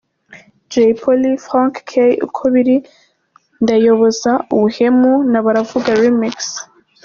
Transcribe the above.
Jay Polly & Franc Kay, Uko biri, Ndayoboza, Ubuhemu na Baravuga Remix.